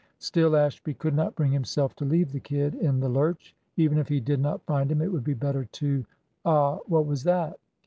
Still Ashby could not bring himself to leave the "kid" in the lurch. Even if he did not find him it would be better to "Ah! what was that?"